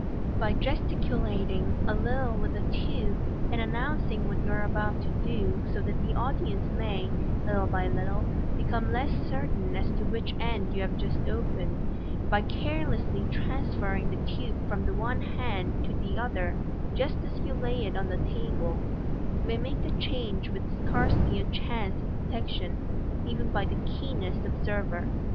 By gesticulat ing a little with the tube, in announcing what you are about to do, so that the audience may, little by little, become less certain as to which end you have just opened, and by carelessly transfer ring the tube from the one hand to the other just as you lay it on the table, you may make the change with scarcely a chance of detec tion, even by the keenest observer.